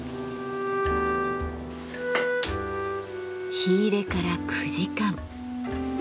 火入れから９時間。